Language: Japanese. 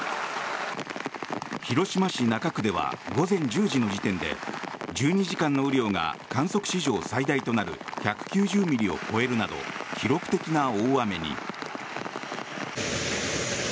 広島市中区では午前１０時の時点で１２時間の雨量が観測史上最大となる１９０ミリを超えるなど記録的な大雨に。